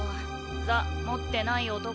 ザ持ってない男。